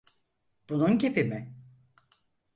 Bunun gibi mi?